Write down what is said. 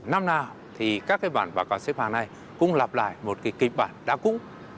năm nào thì các bản bảo quản xếp hàng này cũng lặp lại một kịch bản đã cũ